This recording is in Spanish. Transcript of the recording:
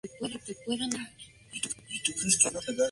Vive en un Jardín Infantil, en el cual trabaja su madre.